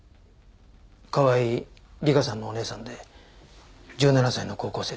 川合理香さんのお姉さんで１７歳の高校生です。